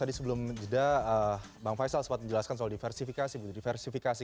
tadi sebelum jeda bang faisal sempat menjelaskan soal diversifikasi